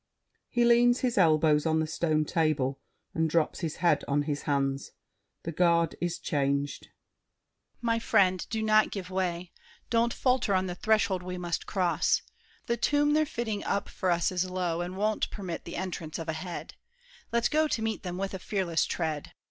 [He leans his elbows on the stone table and drops his head on his hands. The Guard is changed. DIDIER. My friend, do not give way! Don't falter on this threshold we must cross. The tomb they're fitting up for us is low, And won't permit the entrance of a head. Let's go to meet them with a fearless tread.